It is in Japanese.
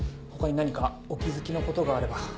他に何かお気付きのことがあれば。